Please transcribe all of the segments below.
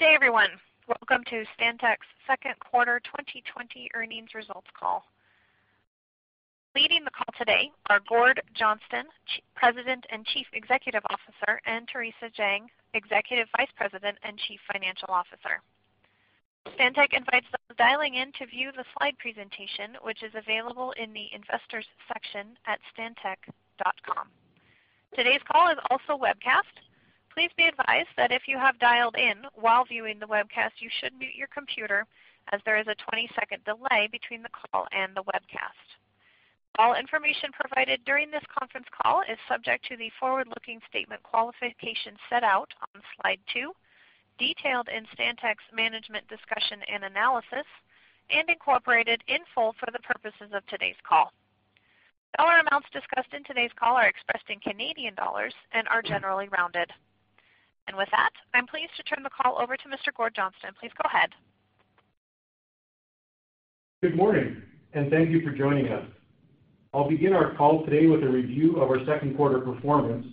Good day, everyone. Welcome to Stantec's second quarter 2020 earnings results call. Leading the call today are Gord Johnston, President and Chief Executive Officer, and Theresa Jang, Executive Vice President and Chief Financial Officer. Stantec invites those dialing in to view the slide presentation, which is available in the Investors section at stantec.com. Today's call is also webcast. Please be advised that if you have dialed in while viewing the webcast, you should mute your computer as there is a 20-second delay between the call and the webcast. All information provided during this conference call is subject to the forward-looking statement qualifications set out on slide two, detailed in Stantec's management discussion and analysis, and incorporated in full for the purposes of today's call. Dollar amounts discussed in today's call are expressed in Canadian dollars and are generally rounded. With that, I'm pleased to turn the call over to Mr. Gord Johnston. Please go ahead. Good morning, and thank you for joining us. I'll begin our call today with a review of our second quarter performance.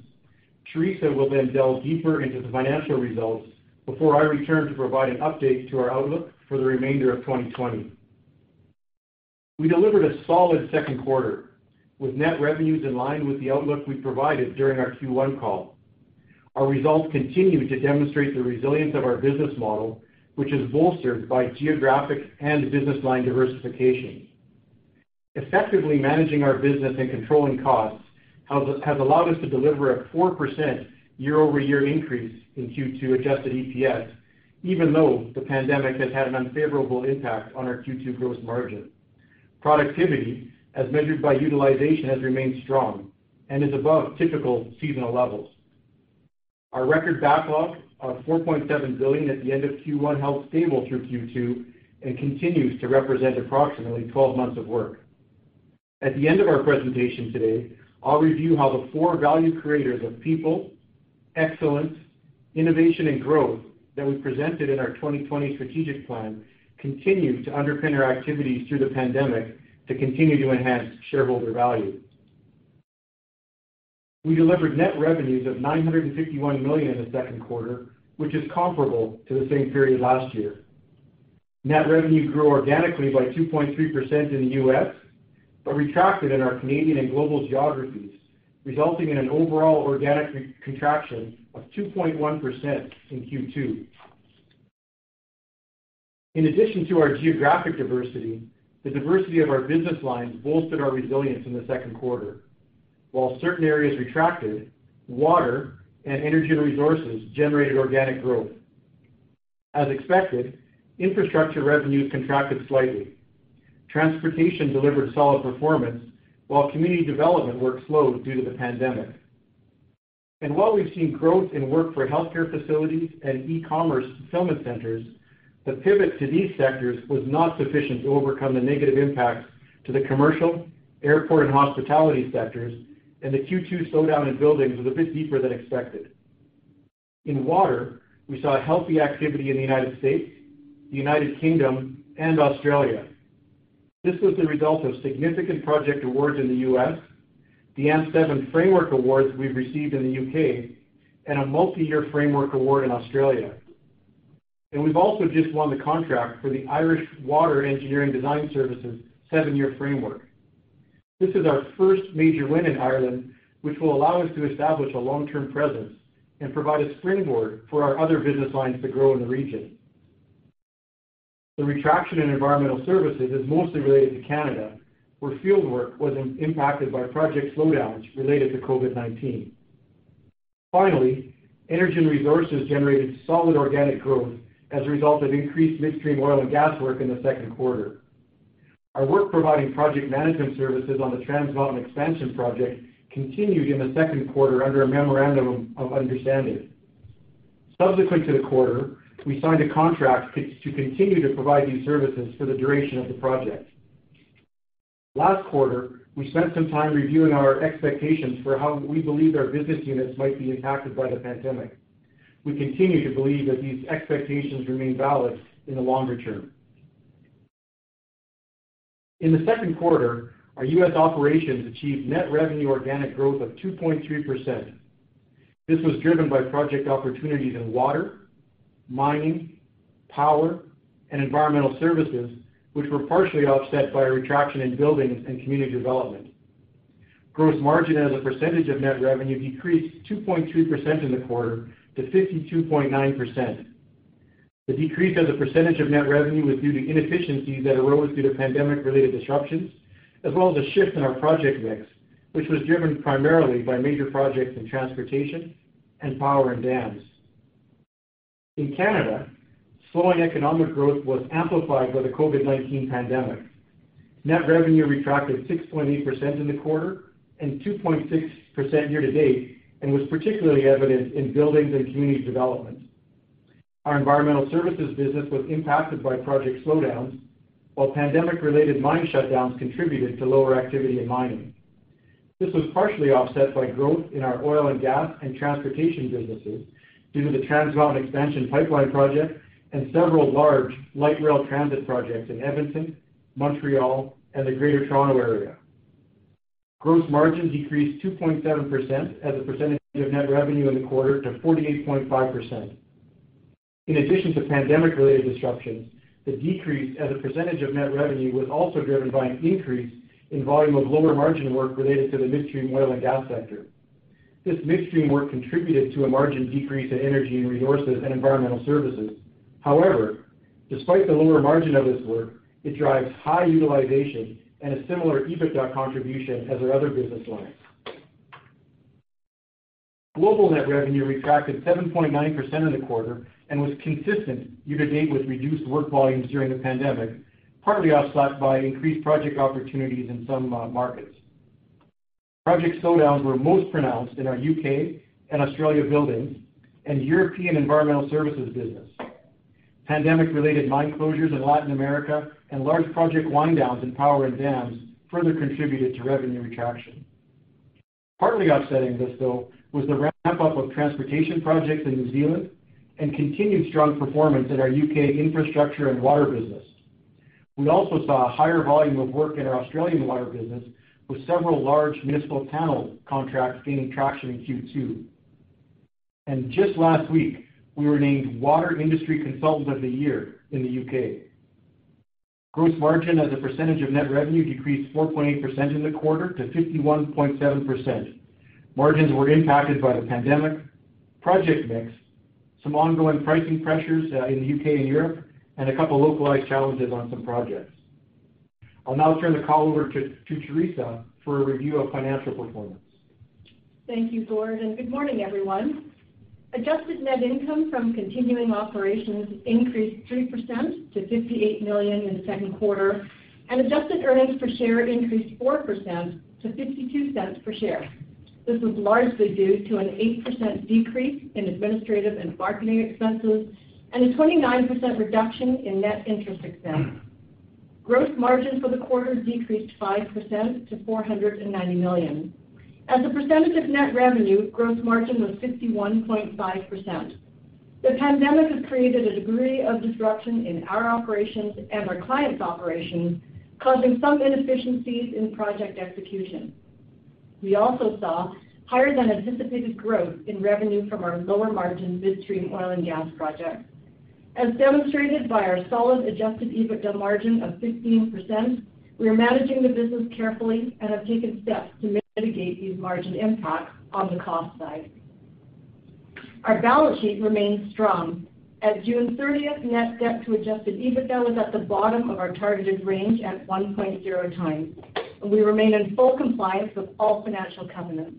Theresa will then delve deeper into the financial results before I return to provide an update to our outlook for the remainder of 2020. We delivered a solid second quarter, with net revenues in line with the outlook we provided during our Q1 call. Our results continue to demonstrate the resilience of our business model, which is bolstered by geographic and business line diversification. Effectively managing our business and controlling costs have allowed us to deliver a 4% year-over-year increase in Q2 Adjusted EPS, even though the pandemic has had an unfavorable impact on our Q2 gross margin. Productivity, as measured by utilization, has remained strong and is above typical seasonal levels. Our record backlog of 4.7 billion at the end of Q1 held stable through Q2 and continues to represent approximately 12 months of work. At the end of our presentation today, I'll review how the four value creators of people, excellence, innovation, and growth that we presented in our 2020 strategic plan continue to underpin our activities through the pandemic to continue to enhance shareholder value. We delivered net revenues of 951 million in the second quarter, which is comparable to the same period last year. Net revenue grew organically by 2.3% in the U.S., retracted in our Canadian and global geographies, resulting in an overall organic contraction of 2.1% in Q2. In addition to our geographic diversity, the diversity of our business lines bolstered our resilience in the second quarter. While certain areas retracted, water and energy resources generated organic growth. As expected, infrastructure revenues contracted slightly. Transportation delivered solid performance, while community development work slowed due to the pandemic. While we've seen growth in work for healthcare facilities and e-commerce fulfillment centers, the pivot to these sectors was not sufficient to overcome the negative impacts to the commercial, airport, and hospitality sectors, the Q2 slowdown in buildings was a bit deeper than expected. In water, we saw healthy activity in the U.S., the U.K., and Australia. This was the result of significant project awards in the U.S., the AMP7 framework awards we've received in the U.K., and a multi-year framework award in Australia. We've also just won the contract for the Irish Water engineering design services seven-year framework. This is our first major win in Ireland, which will allow us to establish a long-term presence and provide a springboard for our other business lines to grow in the region. The retraction in environmental services is mostly related to Canada, where fieldwork was impacted by project slowdowns related to COVID-19. Finally, energy and resources generated solid organic growth as a result of increased midstream oil and gas work in the second quarter. Our work providing project management services on the Trans Mountain expansion project continued in the second quarter under a memorandum of understanding. Subsequent to the quarter, we signed a contract to continue to provide these services for the duration of the project. Last quarter, we spent some time reviewing our expectations for how we believe our business units might be impacted by the pandemic. We continue to believe that these expectations remain valid in the longer term. In the second quarter, our U.S. operations achieved net revenue organic growth of 2.3%. This was driven by project opportunities in water, mining, power, and environmental services, which were partially offset by a retraction in buildings and community development. Gross margin as a percentage of net revenue decreased 2.3% in the quarter to 52.9%. The decrease as a percentage of net revenue was due to inefficiencies that arose due to pandemic-related disruptions, as well as a shift in our project mix, which was driven primarily by major projects in transportation and power and dams. In Canada, slowing economic growth was amplified by the COVID-19 pandemic. Net revenue retracted 6.8% in the quarter and 2.6% year to date and was particularly evident in buildings and community development. Our environmental services business was impacted by project slowdowns, while pandemic-related mine shutdowns contributed to lower activity in mining. This was partially offset by growth in our oil and gas and transportation businesses due to the Trans Mountain expansion pipeline project and several large light rail transit projects in Edmonton, Montreal, and the Greater Toronto area. Gross margin decreased 2.7% as a percentage of net revenue in the quarter to 48.5%. In addition to pandemic-related disruptions, the decrease as a percentage of net revenue was also driven by an increase in volume of lower margin work related to the midstream oil and gas sector. This midstream work contributed to a margin decrease in energy and resources and environmental services. Despite the lower margin of this work, it drives high utilization and a similar EBITDA contribution as our other business lines. Global net revenue retracted 7.9% in the quarter and was consistent year-to-date with reduced work volumes during the pandemic, partly offset by increased project opportunities in some markets. Project slowdowns were most pronounced in our U.K. and Australia buildings and European environmental services business. Pandemic-related mine closures in Latin America and large project wind-downs in power and dams further contributed to revenue retraction. Partly offsetting this, though, was the ramp-up of transportation projects in New Zealand and continued strong performance in our U.K. infrastructure and water business. We also saw a higher volume of work in our Australian water business, with several large municipal panel contracts gaining traction in Q2. Just last week, we were named Water Industry Consultant of the Year in the U.K. Gross margin as a percentage of net revenue decreased 4.8% in the quarter to 51.7%. Margins were impacted by the pandemic, project mix, some ongoing pricing pressures in the U.K. and Europe, and a couple of localized challenges on some projects. I'll now turn the call over to Theresa for a review of financial performance. Thank you, Gord, and good morning, everyone. Adjusted net income from continuing operations increased 3% to 58 million in the second quarter, and adjusted earnings per share increased 4% to 0.52 per share. This was largely due to an 8% decrease in administrative and marketing expenses and a 29% reduction in net interest expense. Gross margin for the quarter decreased 5% to 490 million. As a percentage of net revenue, gross margin was 51.5%. The pandemic has created a degree of disruption in our operations and our clients' operations, causing some inefficiencies in project execution. We also saw higher than anticipated growth in revenue from our lower margin midstream oil and gas projects. As demonstrated by our solid Adjusted EBITDA margin of 15%, we are managing the business carefully and have taken steps to mitigate these margin impacts on the cost side. Our balance sheet remains strong. At June 30th, net debt to Adjusted EBITDA was at the bottom of our targeted range at 1.0x, and we remain in full compliance with all financial covenants.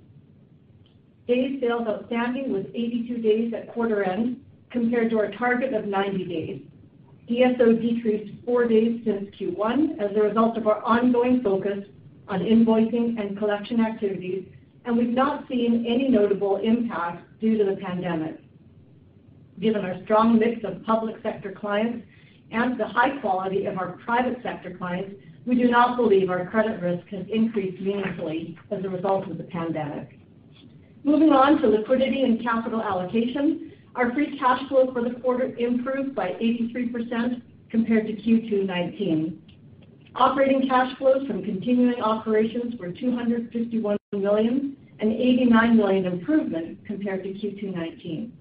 Days sales outstanding was 82 days at quarter end compared to our target of 90 days. DSO decreased four days since Q1 as a result of our ongoing focus on invoicing and collection activities, and we've not seen any notable impact due to the pandemic. Given our strong mix of public sector clients and the high quality of our private sector clients, we do not believe our credit risk has increased meaningfully as a result of the pandemic. Moving on to liquidity and capital allocation. Our free cash flow for the quarter improved by 83% compared to Q2 2019. Operating cash flows from continuing operations were 251 million, an 89 million improvement compared to Q2 2019.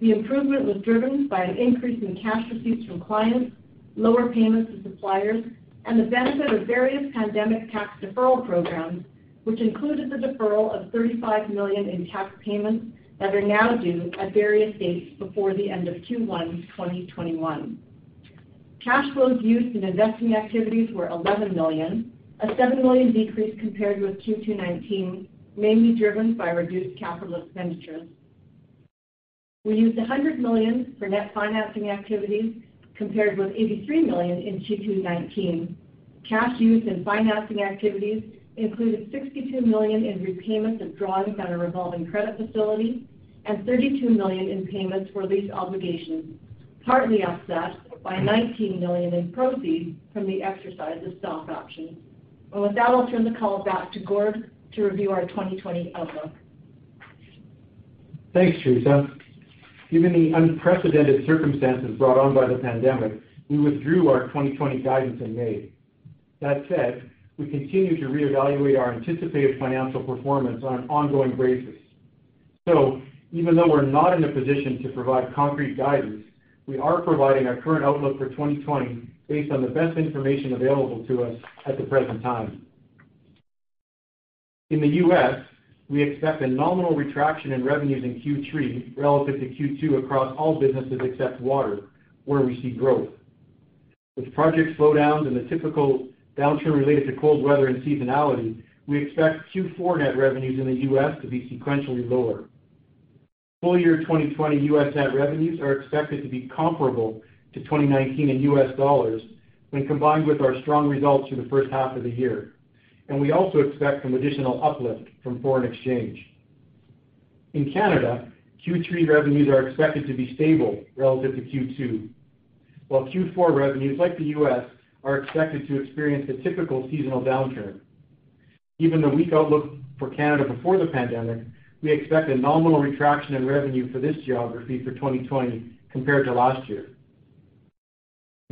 The improvement was driven by an increase in cash receipts from clients, lower payments to suppliers, and the benefit of various pandemic tax deferral programs, which included the deferral of 35 million in tax payments that are now due at various dates before the end of Q1 2021. Cash flows used in investing activities were 11 million, a 7 million decrease compared with Q2 2019, mainly driven by reduced capital expenditures. We used 100 million for net financing activities, compared with 83 million in Q2 2019. Cash used in financing activities included 62 million in repayments of drawings on a revolving credit facility and 32 million in payments for lease obligations, partly offset by 19 million in proceeds from the exercise of stock options. With that, I'll turn the call back to Gord to review our 2020 outlook. Thanks, Theresa. Given the unprecedented circumstances brought on by the pandemic, we withdrew our 2020 guidance in May. That said, we continue to reevaluate our anticipated financial performance on an ongoing basis. Even though we're not in a position to provide concrete guidance, we are providing our current outlook for 2020 based on the best information available to us at the present time. In the U.S., we expect a nominal retraction in revenues in Q3 relative to Q2 across all businesses except water, where we see growth. With project slowdowns and the typical downturn related to cold weather and seasonality, we expect Q4 net revenues in the U.S. to be sequentially lower. Full year 2020 U.S. net revenues are expected to be comparable to 2019 in U.S. dollars when combined with our strong results for the first half of the year. We also expect some additional uplift from foreign exchange. In Canada, Q3 revenues are expected to be stable relative to Q2, while Q4 revenues, like the U.S., are expected to experience a typical seasonal downturn. Given the weak outlook for Canada before the pandemic, we expect a nominal retraction in revenue for this geography for 2020 compared to last year.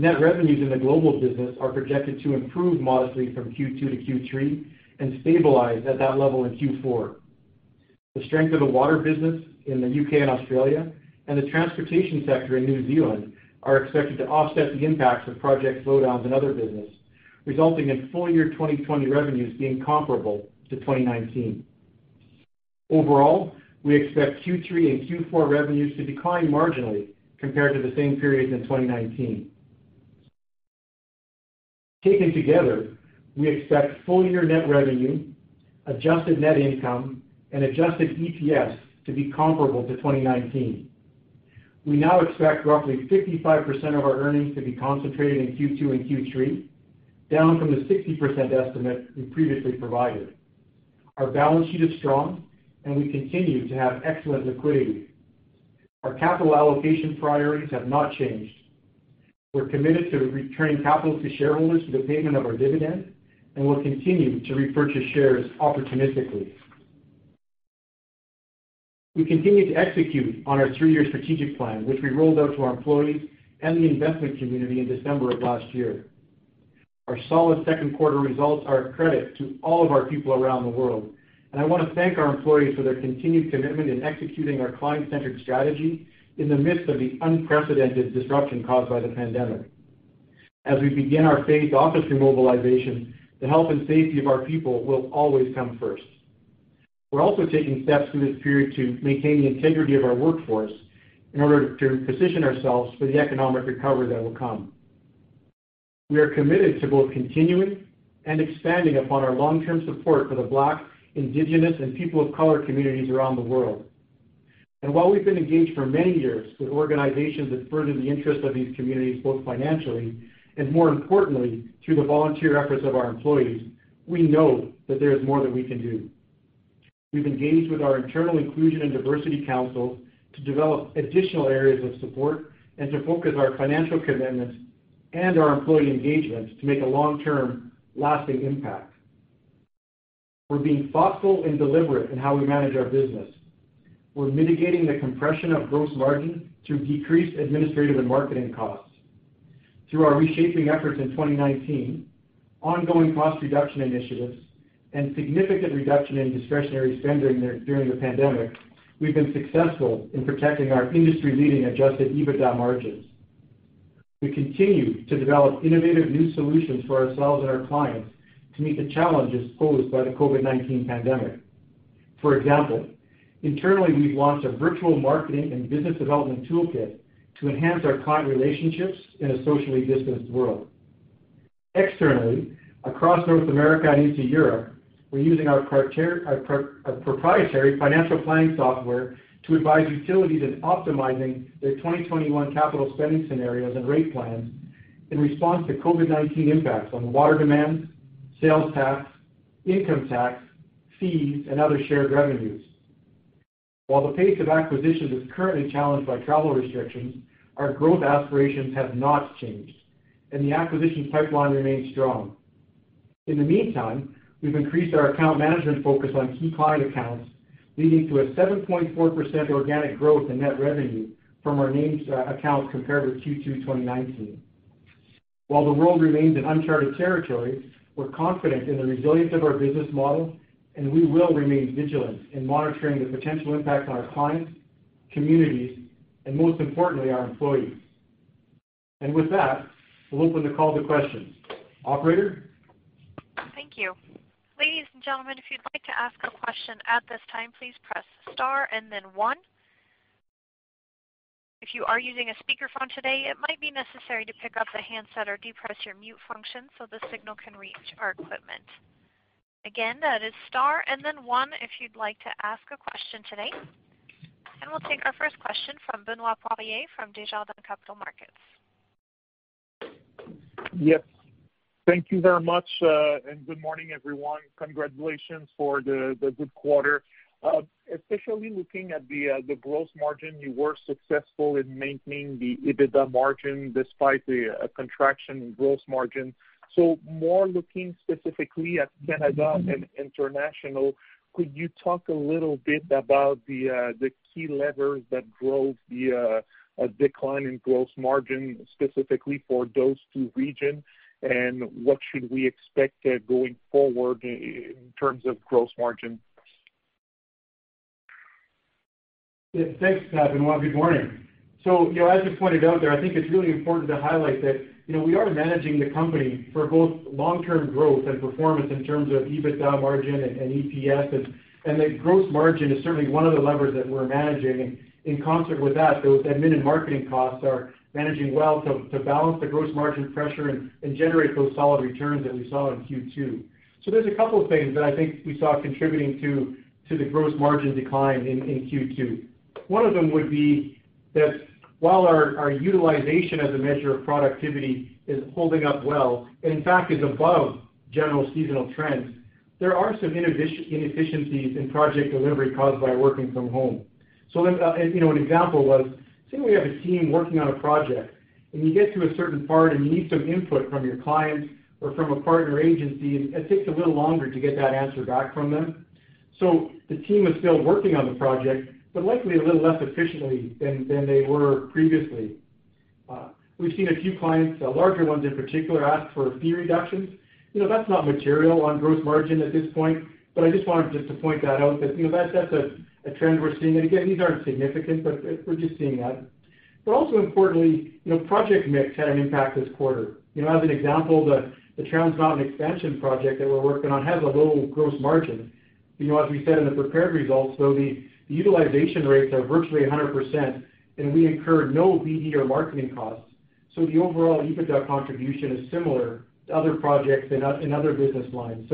Net revenues in the global business are projected to improve modestly from Q2 to Q3 and stabilize at that level in Q4. The strength of the water business in the U.K. and Australia and the transportation sector in New Zealand are expected to offset the impacts of project slowdowns in other business, resulting in full-year 2020 revenues being comparable to 2019. Overall, we expect Q3 and Q4 revenues to decline marginally compared to the same period in 2019. Taken together, we expect full-year net revenue, Adjusted Net Income, and Adjusted EPS to be comparable to 2019. We now expect roughly 55% of our earnings to be concentrated in Q2 and Q3, down from the 60% estimate we previously provided. Our balance sheet is strong, and we continue to have excellent liquidity. Our capital allocation priorities have not changed. We're committed to returning capital to shareholders through the payment of our dividend, and we'll continue to repurchase shares opportunistically. We continue to execute on our three-year strategic plan, which we rolled out to our employees and the investment community in December of last year. Our solid second quarter results are a credit to all of our people around the world, and I want to thank our employees for their continued commitment in executing our client-centric strategy in the midst of the unprecedented disruption caused by the pandemic. As we begin our phased office remobilization, the health and safety of our people will always come first. We're also taking steps through this period to maintain the integrity of our workforce in order to position ourselves for the economic recovery that will come. We are committed to both continuing and expanding upon our long-term support for the Black, Indigenous, and people of color communities around the world. While we've been engaged for many years with organizations that further the interest of these communities, both financially and, more importantly, through the volunteer efforts of our employees, we know that there is more that we can do. We've engaged with our internal inclusion and diversity council to develop additional areas of support and to focus our financial commitments and our employee engagements to make a long-term lasting impact. We're being thoughtful and deliberate in how we manage our business. We're mitigating the compression of gross margin through decreased administrative and marketing costs. Through our reshaping efforts in 2019, ongoing cost reduction initiatives, and significant reduction in discretionary spending during the pandemic, we've been successful in protecting our industry-leading Adjusted EBITDA margins. We continue to develop innovative new solutions for ourselves and our clients to meet the challenges posed by the COVID-19 pandemic. For example, internally, we've launched a virtual marketing and business development toolkit to enhance our client relationships in a socially distanced world. Externally, across North America and into Europe, we're using our proprietary financial planning software to advise utilities in optimizing their 2021 capital spending scenarios and rate plans in response to COVID-19 impacts on water demand, sales tax, income tax, fees, and other shared revenues. While the pace of acquisitions is currently challenged by travel restrictions, our growth aspirations have not changed, and the acquisition pipeline remains strong. In the meantime, we've increased our account management focus on key client accounts, leading to a 7.4% organic growth in net revenue from our named accounts compared with Q2 2019. While the world remains in uncharted territory, we're confident in the resilience of our business model, and we will remain vigilant in monitoring the potential impact on our clients, communities, and most importantly, our employees. With that, we'll open the call to questions. Operator? Thank you. Ladies and gentlemen, if you'd like to ask a question at this time, please press star and then one. If you are using a speakerphone today, it might be necessary to pick up the handset or depress your mute function so the signal can reach our equipment. Again, that is star and then one if you'd like to ask a question today. We'll take our first question from Benoit Poirier from Desjardins Capital Markets. Yes. Thank you very much, and good morning, everyone. Congratulations for the good quarter. Especially looking at the gross margin, you were successful in maintaining the EBITDA margin despite the contraction in gross margin. More looking specifically at Canada and international, could you talk a little bit about the key levers that drove the decline in gross margin specifically for those two region, and what should we expect going forward in terms of gross margin? Yeah, thanks, Benoit. Good morning. As you pointed out there, I think it's really important to highlight that we are managing the company for both long-term growth and performance in terms of EBITDA margin and EPS. The gross margin is certainly one of the levers that we're managing. In concert with that, those admin and marketing costs are managing well to balance the gross margin pressure and generate those solid returns that we saw in Q2. There's a couple of things that I think we saw contributing to the gross margin decline in Q2. One of them would be that while our utilization as a measure of productivity is holding up well, in fact, is above general seasonal trends, there are some inefficiencies in project delivery caused by working from home. An example was, say we have a team working on a project, and you get to a certain part, and you need some input from your clients or from a partner agency, it takes a little longer to get that answer back from them. The team is still working on the project, but likely a little less efficiently than they were previously. We've seen a few clients, larger ones in particular, ask for fee reductions. That's not material on gross margin at this point, but I just wanted to point that out that that's a trend we're seeing. Again, these aren't significant, but we're just seeing that. Also importantly, project mix had an impact this quarter. As an example, the Trans Mountain expansion project that we're working on has a low gross margin. As we said in the prepared results, though, the utilization rates are virtually 100%, and we incur no BD or marketing costs, so the overall EBITDA contribution is similar to other projects in other business lines.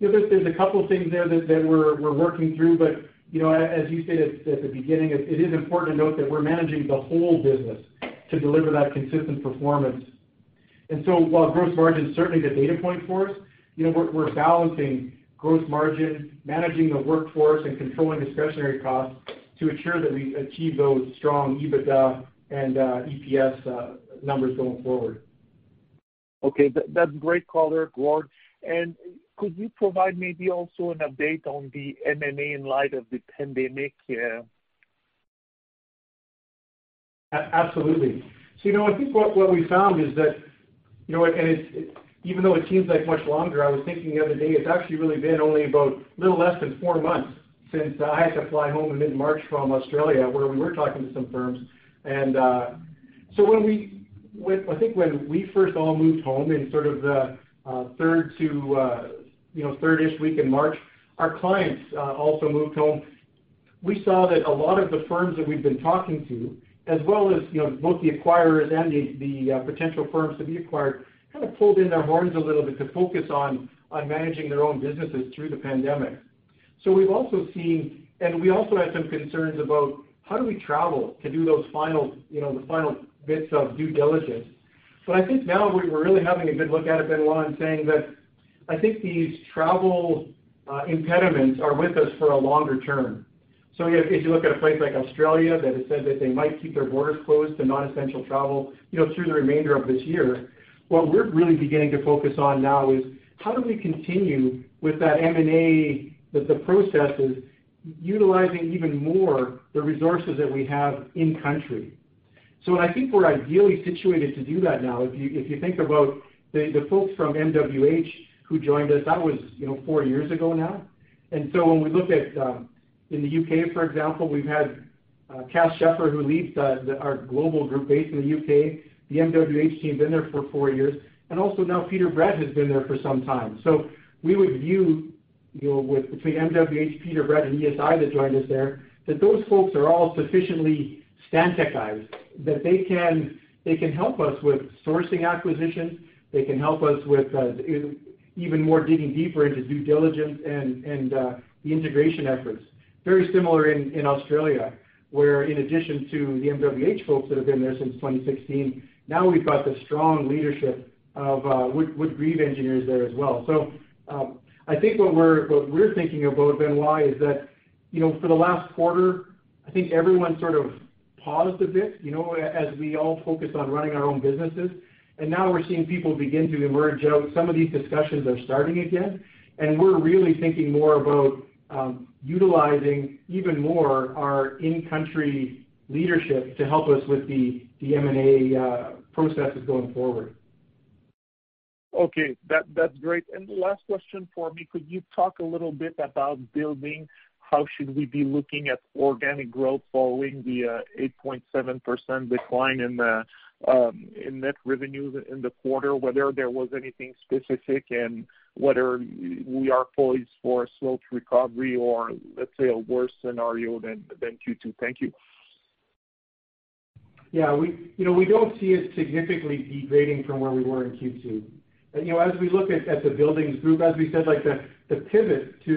There's a couple things there that we're working through. As you stated at the beginning, it is important to note that we're managing the whole business to deliver that consistent performance. While gross margin is certainly the data point for us, we're balancing gross margin, managing the workforce, and controlling discretionary costs to ensure that we achieve those strong EBITDA and EPS numbers going forward. Okay. That's great color, Gord. Could you provide maybe also an update on the M&A in light of the pandemic? Absolutely. I think what we found is that, and even though it seems like much longer, I was thinking the other day, it's actually really been only about a little less than four months since I had to fly home in mid-March from Australia, where we were talking to some firms. I think when we first all moved home in sort of the third to, third-ish week in March, our clients also moved home. We saw that a lot of the firms that we'd been talking to, as well as both the acquirers and the potential firms to be acquired, kind of pulled in their horns a little bit to focus on managing their own businesses through the pandemic. We've also seen, and we also had some concerns about how do we travel to do the final bits of due diligence. I think now we're really having a good look at it, Benoit, and saying that I think these travel impediments are with us for a longer term. If you look at a place like Australia that has said that they might keep their borders closed to non-essential travel, through the remainder of this year, what we're really beginning to focus on now is how do we continue with that M&A, that the process is utilizing even more the resources that we have in country. I think we're ideally situated to do that now. If you think about the folks from MWH who joined us, that was four years ago now. When we look at, in the U.K., for example, we've had Cath Schefer, who leads our global group based in the U.K. The MWH team have been there for four years, and also now Peter Brett has been there for some time. We would view, between MWH, Peter Brett, and ESI that joined us there, that those folks are all sufficiently Stantecized that they can help us with sourcing acquisitions. They can help us with even more digging deeper into due diligence and the integration efforts. Very similar in Australia, where in addition to the MWH folks that have been there since 2016, now we've got the strong leadership of Wood & Grieve Engineers there as well. I think what we're thinking about, Benoit, is that, for the last quarter, I think everyone sort of paused a bit, as we all focused on running our own businesses. Now we're seeing people begin to emerge out. Some of these discussions are starting again, and we're really thinking more about utilizing even more our in-country leadership to help us with the M&A processes going forward. Okay. That's great. Last question for me. Could you talk a little bit about building? How should we be looking at organic growth following the 8.7% decline in net revenues in the quarter, whether there was anything specific and whether we are poised for a slow recovery or, let's say, a worse scenario than Q2? Thank you. Yeah. We don't see it significantly degrading from where we were in Q2. We look at the buildings group, as we said, the pivot to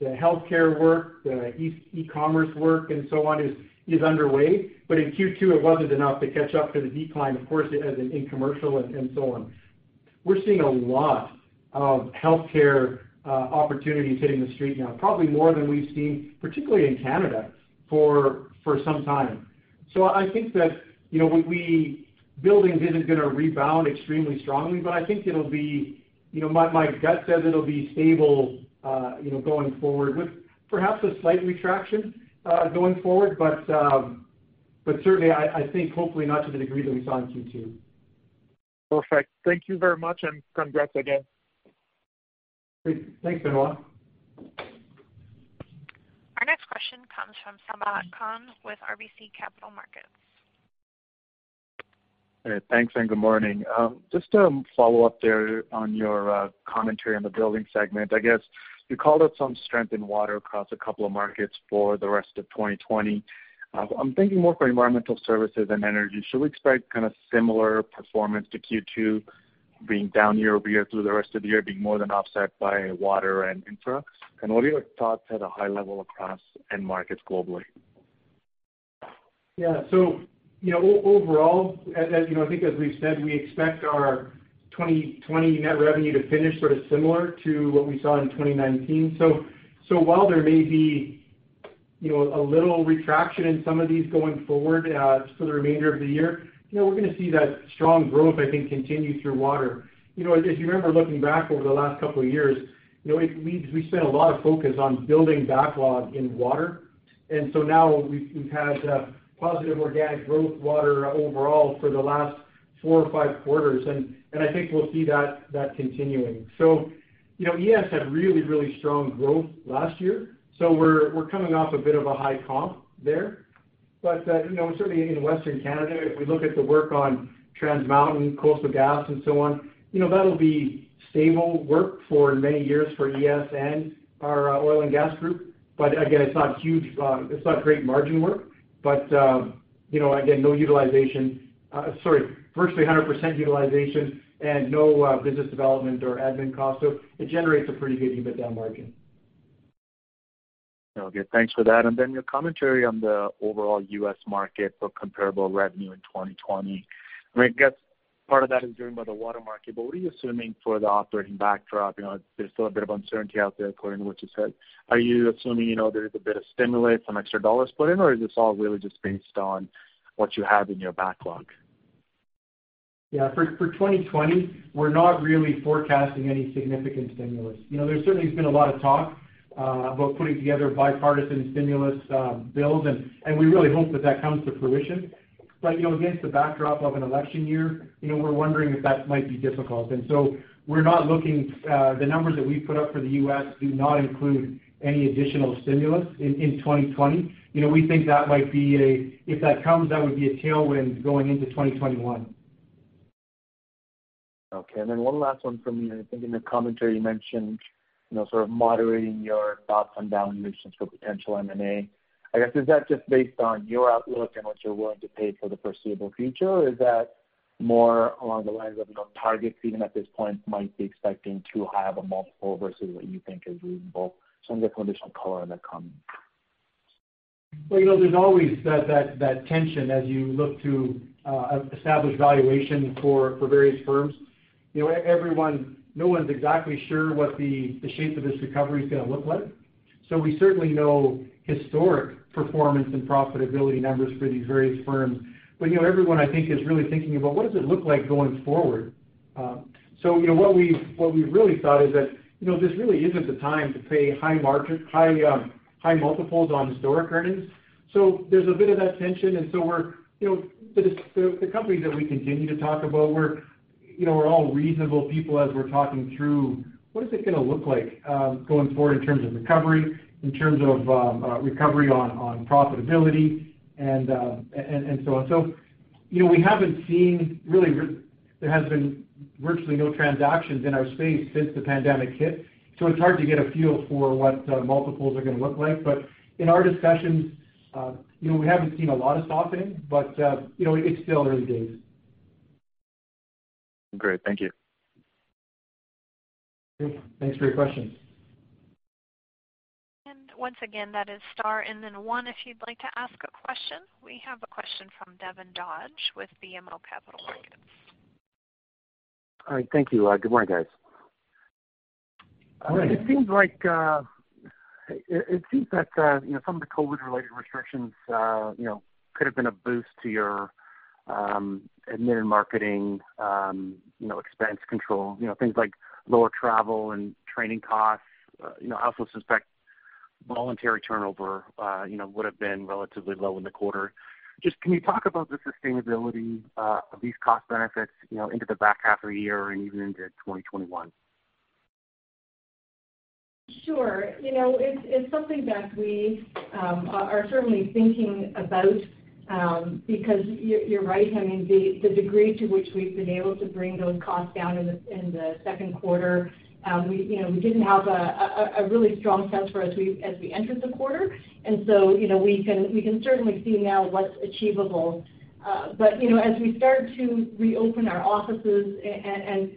the healthcare work, the e-commerce work, and so on is underway. In Q2, it wasn't enough to catch up to the decline, of course, as in commercial and so on. We're seeing a lot of healthcare opportunities hitting the street now, probably more than we've seen, particularly in Canada, for some time. I think that buildings isn't going to rebound extremely strongly, but I think My gut says it'll be stable going forward with perhaps a slight retraction going forward. Certainly, I think hopefully not to the degree that we saw in Q2. Perfect. Thank you very much, and congrats again. Great. Thanks, Benoit. Our next question comes from Sabahat Khan with RBC Capital Markets. Hey. Thanks, and good morning. Just to follow up there on your commentary on the building segment, I guess you called out some strength in water across a couple of markets for the rest of 2020. I'm thinking more for environmental services and energy. Should we expect kind of similar performance to Q2, being down year-over-year through the rest of the year, being more than offset by water and infra? What are your thoughts at a high level across end markets globally? Yeah. Overall, I think as we've said, we expect our 2020 net revenue to finish sort of similar to what we saw in 2019. While there may be a little retraction in some of these going forward for the remainder of the year, we're going to see that strong growth, I think, continue through water. If you remember looking back over the last couple of years, we spent a lot of focus on building backlog in water, now we've had positive organic growth water overall for the last four or five quarters, I think we'll see that continuing. ES had really, really strong growth last year, we're coming off a bit of a high comp there. Certainly in Western Canada, if we look at the work on Trans Mountain, Coastal GasLink and so on, that'll be stable work for many years for ES and our oil and gas group. Again, it's not great margin work, but again, virtually 100% utilization and no business development or admin costs, so it generates a pretty good EBITDA margin. Okay, thanks for that. Then your commentary on the overall U.S. market for comparable revenue in 2020. I guess part of that is driven by the water market, but what are you assuming for the operating backdrop? There's still a bit of uncertainty out there according to what you said. Are you assuming there's a bit of stimulus, some extra CAD put in, or is this all really just based on what you have in your backlog? For 2020, we're not really forecasting any significant stimulus. There certainly has been a lot of talk about putting together a bipartisan stimulus bill, and we really hope that that comes to fruition. Against the backdrop of an election year, we're wondering if that might be difficult. The numbers that we put up for the U.S. do not include any additional stimulus in 2020. We think if that comes, that would be a tailwind going into 2021. Okay, one last one from me. I think in the commentary you mentioned sort of moderating your thoughts on valuations for potential M&A. I guess, is that just based on your outlook and what you're willing to pay for the foreseeable future, or is that more along the lines of targets even at this point might be expecting too high of a multiple versus what you think is reasonable? Some additional color on that comment. Well, there's always that tension as you look to establish valuation for various firms. We certainly know historic performance and profitability numbers for these various firms. Everyone, I think, is really thinking about what does it look like going forward? What we've really thought is that this really isn't the time to pay high multiples on historic earnings. There's a bit of that tension, the companies that we continue to talk about, we're all reasonable people as we're talking through what is it going to look like going forward in terms of recovery, in terms of recovery on profitability, and so on. There has been virtually no transactions in our space since the pandemic hit, so it's hard to get a feel for what multiples are going to look like. In our discussions, we haven't seen a lot of softening but it's still early days. Great. Thank you. Great. Thanks for your questions. Once again, that is star one if you'd like to ask a question. We have a question from Devin Dodge with BMO Capital Markets. All right. Thank you. Good morning, guys. Good morning. It seems that some of the COVID-related restrictions could have been a boost to your admin and marketing expense control, things like lower travel and training costs. I also suspect voluntary turnover would have been relatively low in the quarter. Just can you talk about the sustainability of these cost benefits into the back half of the year and even into 2021? Sure. It's something that we are certainly thinking about because you're right. The degree to which we've been able to bring those costs down in the second quarter, we didn't have a really strong sense for as we entered the quarter. We can certainly see now what's achievable. As we start to reopen our offices, and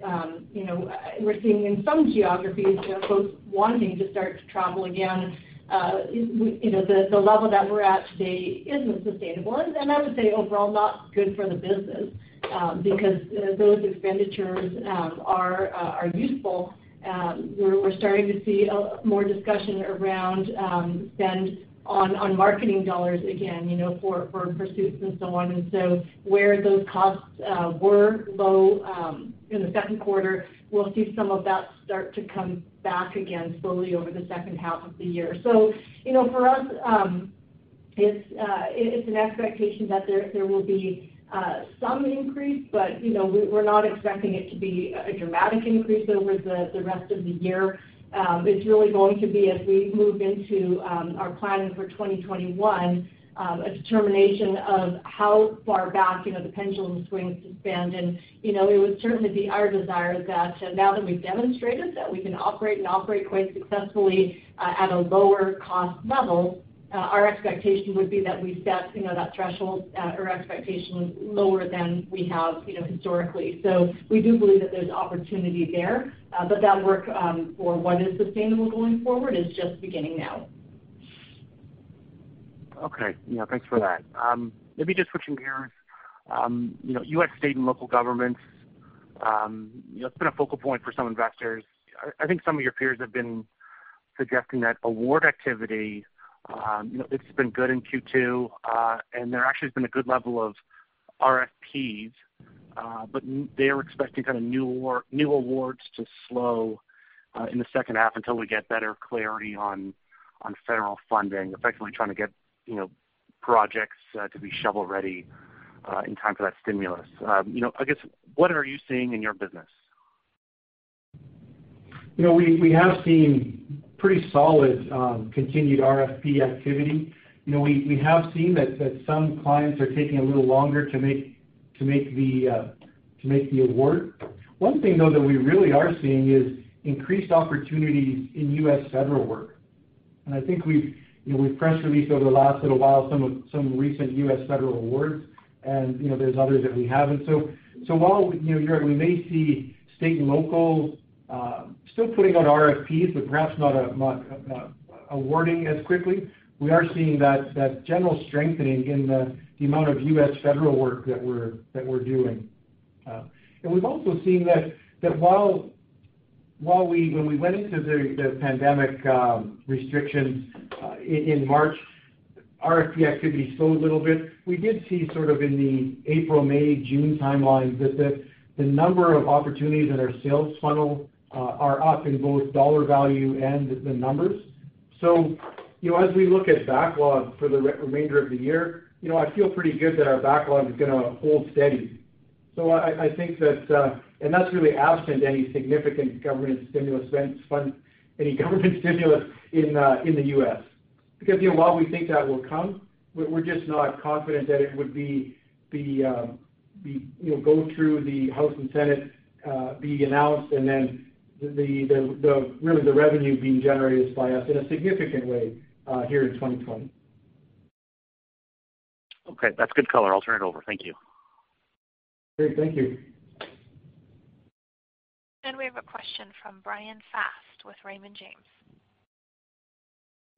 we're seeing in some geographies, folks wanting to start to travel again, the level that we're at today isn't sustainable. I would say overall, not good for the business because those expenditures are useful. We're starting to see more discussion around spend on marketing dollars again for pursuits and so on. Where those costs were low in the second quarter, we'll see some of that start to come back again slowly over the second half of the year. For us, it's an expectation that there will be some increase, but we're not expecting it to be a dramatic increase over the rest of the year. It's really going to be as we move into our planning for 2021, a determination of how far back the pendulum swings to spend. It would certainly be our desire that now that we've demonstrated that we can operate and operate quite successfully at a lower cost level, our expectation would be that we set that threshold or expectation lower than we have historically. We do believe that there's opportunity there. That work for what is sustainable going forward is just beginning now. Okay. Yeah, thanks for that. Maybe just switching gears. U.S. state and local governments. It's been a focal point for some investors. I think some of your peers have been suggesting that award activity, it's been good in Q2, and there actually has been a good level of RFPs. They are expecting new awards to slow in the second half until we get better clarity on federal funding, effectively trying to get projects to be shovel-ready in time for that stimulus. I guess, what are you seeing in your business? We have seen pretty solid continued RFP activity. We have seen that some clients are taking a little longer to make the award. One thing, though, that we really are seeing is increased opportunities in U.S. federal work. I think we've press released over the last little while some recent U.S. federal awards and there's others that we haven't. While we may see state and local still putting out RFPs, but perhaps not awarding as quickly, we are seeing that general strengthening in the amount of U.S. federal work that we're doing. We've also seen that when we went into the pandemic restrictions in March, RFP activity slowed a little bit. We did see sort of in the April, May, June timelines that the number of opportunities in our sales funnel are up in both CAD dollar value and the numbers. As we look at backlog for the remainder of the year, I feel pretty good that our backlog is going to hold steady. That's really absent any significant government stimulus in the U.S. While we think that will come, we're just not confident that it would go through the House and Senate, be announced, and then the revenue being generated by us in a significant way here in 2020. Okay. That's good color. I'll turn it over. Thank you. Great. Thank you. We have a question from Bryan Fast with Raymond James.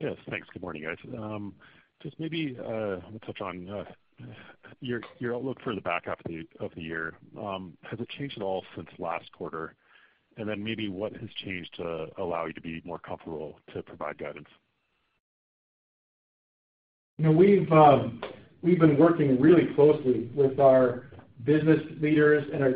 Yes, thanks. Good morning, guys. Just maybe touch on your outlook for the back half of the year. Has it changed at all since last quarter? Then maybe what has changed to allow you to be more comfortable to provide guidance? We've been working really closely with our business leaders and our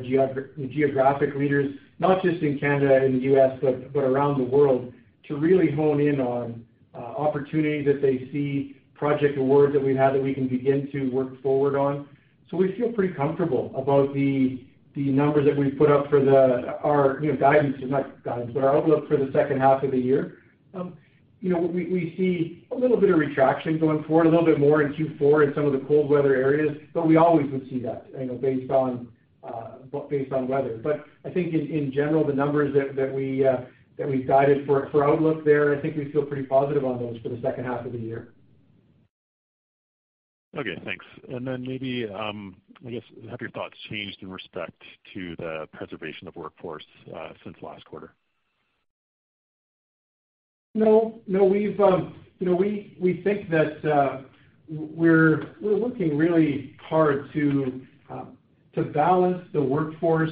geographic leaders, not just in Canada and the U.S., but around the world, to really hone in on opportunities that they see, project awards that we've had that we can begin to work forward on. We feel pretty comfortable about the numbers that we've put up for our outlook for the second half of the year. We see a little bit of retraction going forward, a little bit more in Q4 in some of the cold weather areas, but we always would see that based on weather. I think in general, the numbers that we guided for outlook there, I think we feel pretty positive on those for the second half of the year. Okay, thanks. Maybe, I guess, have your thoughts changed in respect to the preservation of workforce since last quarter? No. We think that we're looking really hard to balance the workforce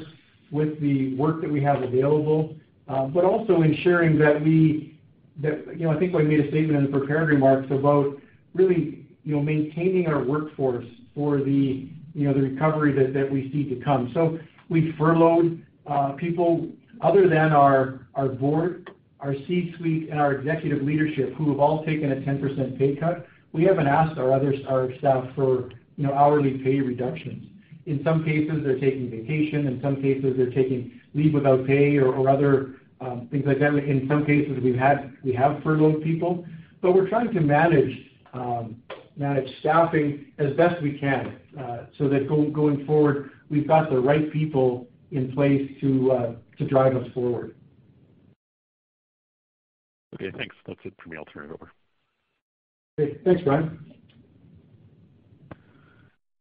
with the work that we have available, also ensuring that I think we made a statement in the prepared remarks about really maintaining our workforce for the recovery that we see to come. We've furloughed people other than our board, our C-suite, and our executive leadership, who have all taken a 10% pay cut. We haven't asked our staff for hourly pay reductions. In some cases, they're taking vacation. In some cases, they're taking leave without pay or other things like that. In some cases, we have furloughed people. We're trying to manage staffing as best we can, so that going forward, we've got the right people in place to drive us forward. Okay, thanks. That's it for me. I'll turn it over. Great. Thanks,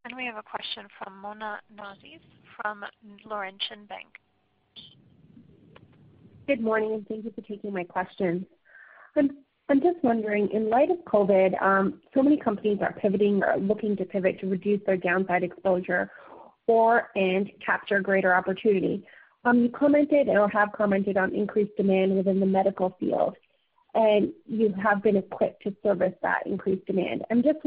Bryan. We have a question from Mona Nazir from Laurentian Bank. Good morning, and thank you for taking my questions. I'm just wondering, in light of COVID-19, so many companies are pivoting or looking to pivot to reduce their downside exposure or/and capture greater opportunity. You commented or have commented on increased demand within the medical field, and you have been equipped to service that increased demand. I'm just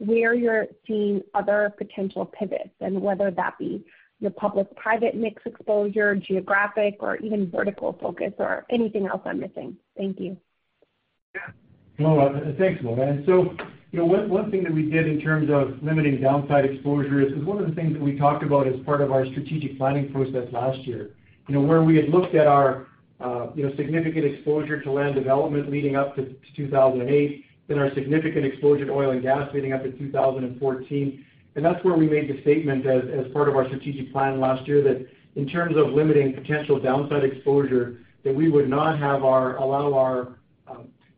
wondering where you're seeing other potential pivots and whether that be your public-private mix exposure, geographic or even vertical focus or anything else I'm missing. Thank you. Yeah. Thanks, Mona. One thing that we did in terms of limiting downside exposure is one of the things that we talked about as part of our strategic planning process last year. Where we had looked at our significant exposure to land development leading up to 2008, then our significant exposure to oil and gas leading up to 2014. That's where we made the statement as part of our strategic plan last year that in terms of limiting potential downside exposure, that we would not allow our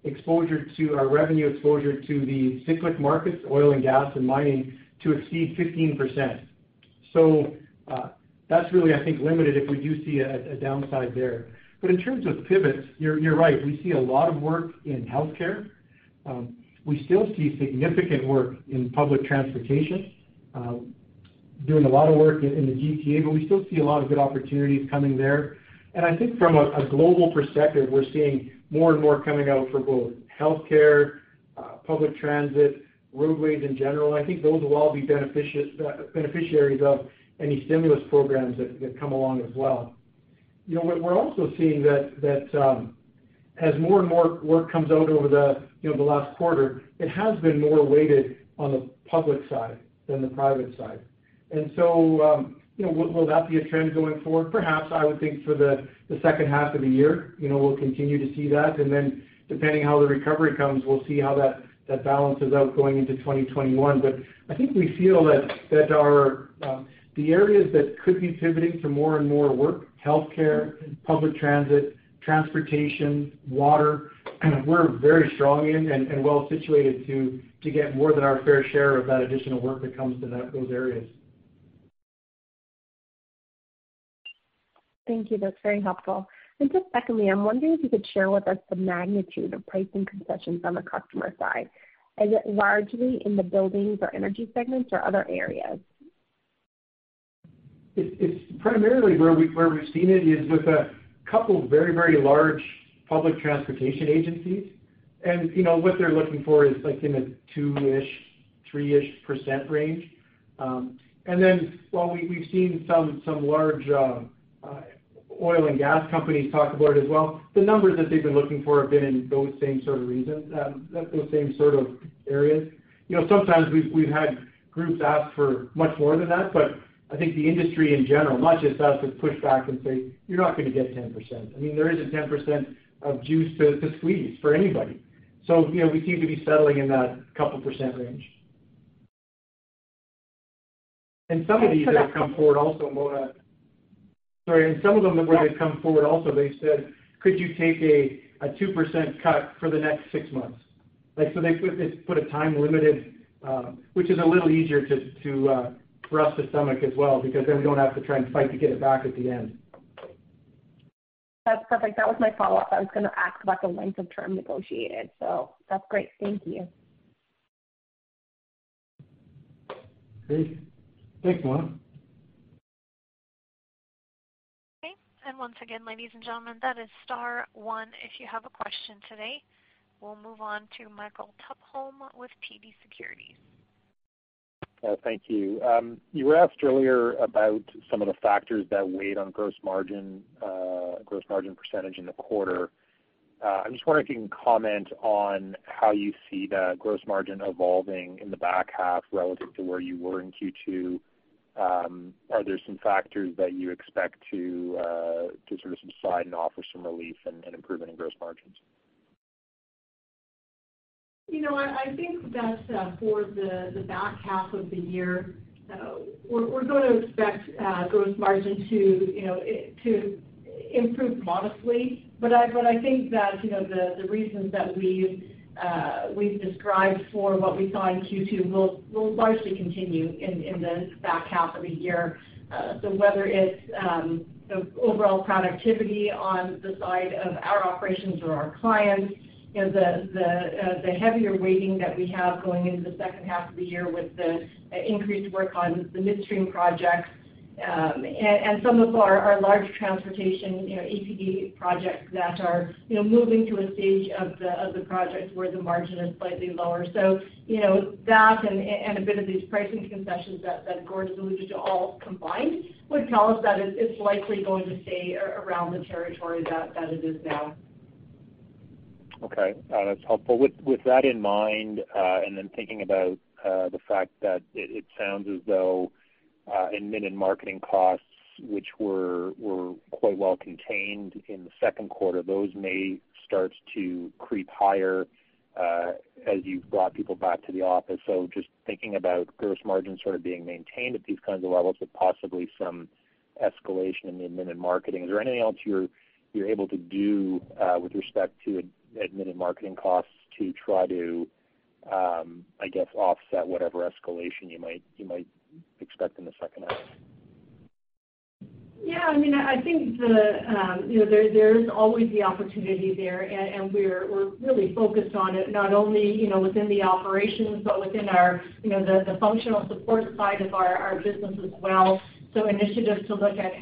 revenue exposure to the cyclic markets, oil and gas and mining, to exceed 15%. That's really, I think, limited if we do see a downside there. In terms of pivots, you're right. We see a lot of work in healthcare. We still see significant work in public transportation. Doing a lot of work in the GTA, but we still see a lot of good opportunities coming there. I think from a global perspective, we're seeing more and more coming out for both healthcare, public transit, roadways in general. I think those will all be beneficiaries of any stimulus programs that come along as well. We're also seeing that as more and more work comes out over the last quarter, it has been more weighted on the public side than the private side. Will that be a trend going forward? Perhaps, I would think for the second half of the year, we'll continue to see that. Then depending how the recovery comes, we'll see how that balances out going into 2021. I think we feel that the areas that could be pivoting to more and more work, healthcare, public transit, transportation, water, we're very strong in and well-situated to get more than our fair share of that additional work that comes to those areas. Thank you. That's very helpful. Just secondly, I'm wondering if you could share with us the magnitude of pricing concessions on the customer side. Is it largely in the buildings or energy segments or other areas? It's primarily where we've seen it is with a couple of very, very large public transportation agencies. What they're looking for is in a two-ish, three-ish percent range. While we've seen some large oil and gas companies talk about it as well, the numbers that they've been looking for have been in those same sort of areas. Sometimes we've had groups ask for much more than that, I think the industry in general, not just us, has pushed back and said, "You're not going to get 10%." There isn't 10% of juice to squeeze for anybody. We seem to be settling in that couple percent range. Some of these have come forward also, Mona. Sorry. Some of them where they've come forward also, they said, "Could you take a 2% cut for the next six months?" They put a time limited, which is a little easier for us to stomach as well, because then we don't have to try and fight to get it back at the end. That's perfect. That was my follow-up. I was going to ask about the length of term negotiated, so that's great. Thank you. Great. Thanks, Mona. Okay. Once again, ladies and gentlemen, that is star one if you have a question today. We'll move on to Michael Tupholme with TD Securities. Thank you. You were asked earlier about some of the factors that weighed on gross margin % in the quarter. I'm just wondering if you can comment on how you see the gross margin evolving in the back half relative to where you were in Q2. Are there some factors that you expect to sort of subside and offer some relief and improvement in gross margins? I think that for the back half of the year, we're going to expect gross margin to improve modestly. I think that the reasons that we've described for what we saw in Q2 will largely continue in the back half of the year. Whether it's the overall productivity on the side of our operations or our clients, the heavier weighting that we have going into the second half of the year with the increased work on the midstream projects, and some of our large transportation APD projects that are moving to a stage of the project where the margin is slightly lower. That and a bit of these pricing concessions that Gord alluded to, all combined would tell us that it's likely going to stay around the territory that it is now. Okay. That's helpful. With that in mind, thinking about the fact that it sounds as though admin and marketing costs, which were quite well contained in the second quarter, those may start to creep higher as you've brought people back to the office. Just thinking about gross margin sort of being maintained at these kinds of levels, with possibly some escalation in the admin and marketing. Is there anything else you're able to do with respect to admin and marketing costs to try to, I guess, offset whatever escalation you might expect in the second half? I think there is always the opportunity there, and we're really focused on it, not only within the operations, but within the functional support side of our business as well. Initiatives to look at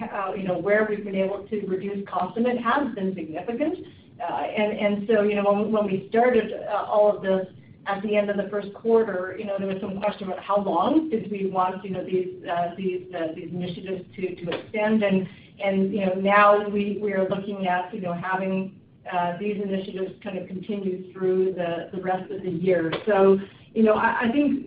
where we've been able to reduce cost, and it has been significant. When we started all of this at the end of the first quarter, there was some question about how long did we want these initiatives to extend, and now we are looking at having these initiatives kind of continue through the rest of the year. I think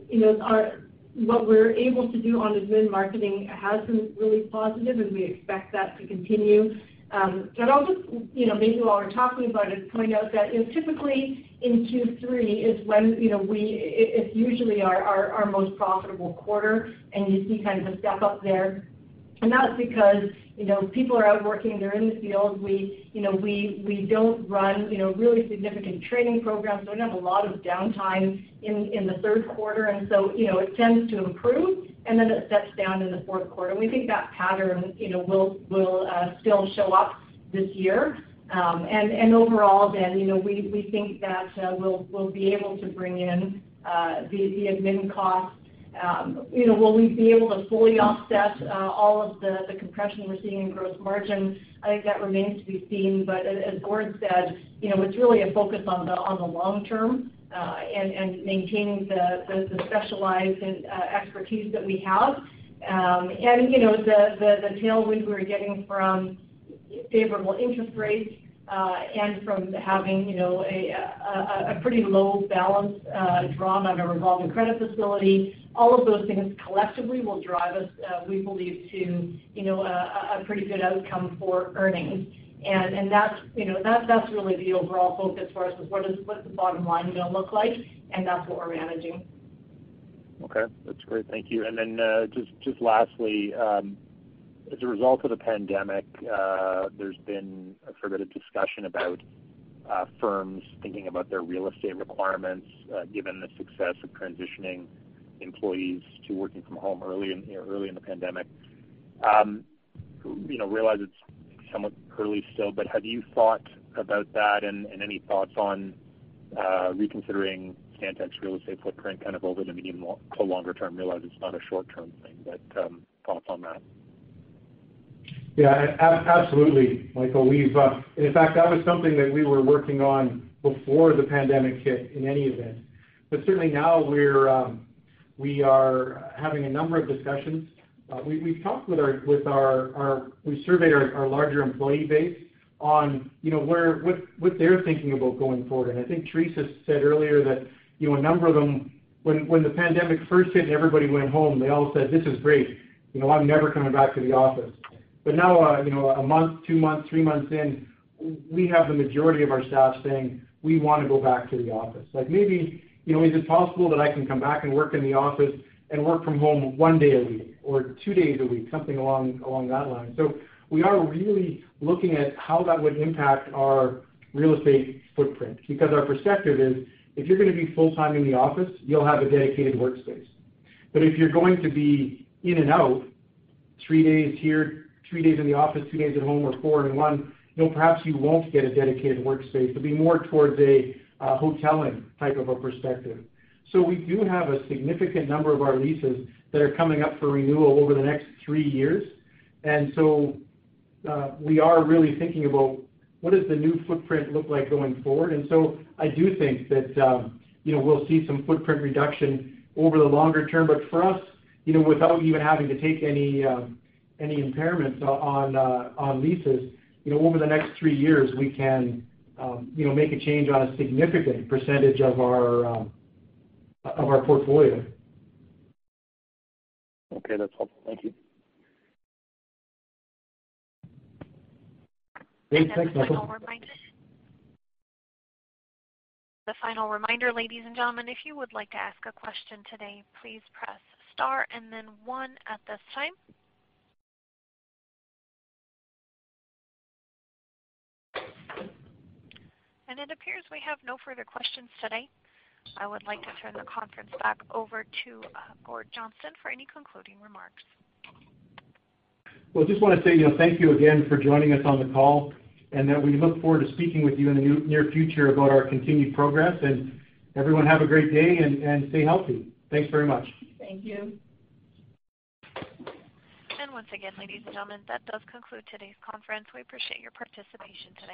what we're able to do on admin and marketing has been really positive, and we expect that to continue. Also, maybe while we're talking about it, point out that typically in Q3 is when, it's usually our most profitable quarter, and you see kind of a step up there. That's because people are out working, they're in the field. We don't run really significant training programs, so we don't have a lot of downtime in the third quarter. It tends to improve, and then it steps down in the fourth quarter. We think that pattern will still show up this year. Overall, we think that we'll be able to bring in the admin cost. Will we be able to fully offset all of the compression we're seeing in gross margin? I think that remains to be seen, but as Gord said, it's really a focus on the long term and maintaining the specialized expertise that we have. The tailwind we're getting from favorable interest rates, and from having a pretty low balance drawn on a revolving credit facility, all of those things collectively will drive us, we believe, to a pretty good outcome for earnings. That's really the overall focus for us is what is the bottom line going to look like, and that's what we're managing. Okay, that's great. Thank you. Just lastly, as a result of the pandemic, there's been a fair bit of discussion about firms thinking about their real estate requirements, given the success of transitioning employees to working from home early in the pandemic. I realize it's somewhat early still, but have you thought about that and any thoughts on reconsidering Stantec's real estate footprint over the medium to longer term? I realize it's not a short-term thing, but thoughts on that? Yeah, absolutely, Michael. In fact, that was something that we were working on before the pandemic hit in any event. Certainly now we are having a number of discussions. We surveyed our larger employee base on what they're thinking about going forward. I think Theresa said earlier that a number of them when the pandemic first hit and everybody went home, they all said, "This is great. I'm never coming back to the office." Now, a month, two months, three months in, we have the majority of our staff saying, "We want to go back to the office." Maybe, is it possible that I can come back and work in the office and work from home one day a week or two days a week, something along that line. We are really looking at how that would impact our real estate footprint, because our perspective is, if you're going to be full-time in the office, you'll have a dedicated workspace. If you're going to be in and out three days here, three days in the office, two days at home, or four in one, perhaps you won't get a dedicated workspace. It'd be more towards a hoteling type of a perspective. We do have a significant number of our leases that are coming up for renewal over the next three years. We are really thinking about what does the new footprint look like going forward. I do think that we'll see some footprint reduction over the longer term. For us, without even having to take any impairments on leases, over the next three years, we can make a change on a significant percentage of our portfolio. Okay, that's helpful. Thank you. Great, thanks Michael. A final reminder. The final reminder, ladies and gentlemen, if you would like to ask a question today, please press star and then one at this time. It appears we have no further questions today. I would like to turn the conference back over to Gord Johnston for any concluding remarks. Well, I just want to say thank you again for joining us on the call, and that we look forward to speaking with you in the near future about our continued progress. Everyone have a great day and stay healthy. Thanks very much. Thank you. Once again, ladies and gentlemen, that does conclude today's conference. We appreciate your participation today.